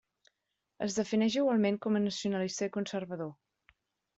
Es defineix igualment com a nacionalista i conservador.